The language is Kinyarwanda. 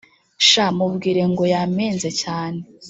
Sha mubwire ngo yamenze cyane